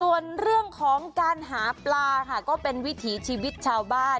ส่วนเรื่องของการหาปลาค่ะก็เป็นวิถีชีวิตชาวบ้าน